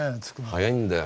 早いんだよ。